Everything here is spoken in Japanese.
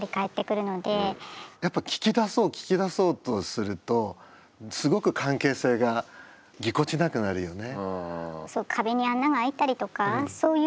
やっぱ聞き出そう聞き出そうとするとすごく関係性がぎこちなくなるよね。